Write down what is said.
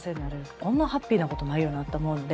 こんなハッピーなことないよなと思うので。